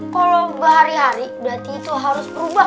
kalau sehari hari berarti itu harus berubah